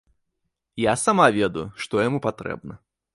Я сама ведаю, што яму патрэбна.